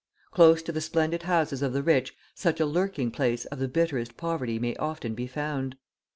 Close to the splendid houses of the rich such a lurking place of the bitterest poverty may often be found.